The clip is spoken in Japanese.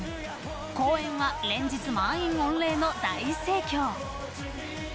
公演は連日満員御礼の大盛況。